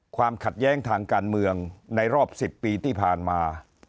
ความขัดแย้งทางการเมืองในรอบ๑๐ปีที่ผ่านมา